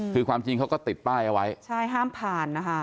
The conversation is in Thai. คือความจริงเขาก็ติดป้ายเอาไว้ใช่ห้ามผ่านนะคะ